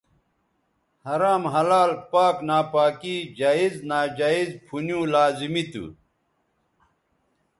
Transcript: حرام حلال پاک ناپاکی جائز ناجائزپُھنیوں لازمی تھو